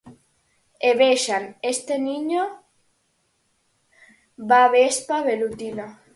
E vexan este niño da vespa velutina.